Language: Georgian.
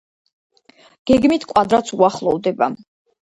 გეგმით კვადრატს უახლოვდება.